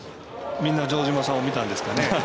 みんな城島さんを見たんですかね。